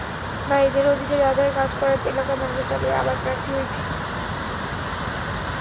নারীদের অধিকার আদায়ে কাজ করায় এলাকার মানুষের চাপে আবার প্রার্থী হয়েছি।